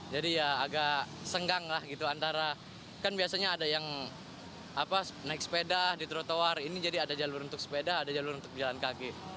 ya agak senggang lah gitu antara kan biasanya ada yang naik sepeda di trotoar ini jadi ada jalur untuk sepeda ada jalur untuk jalan kaki